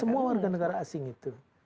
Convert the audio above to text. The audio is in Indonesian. semua warga negara asing itu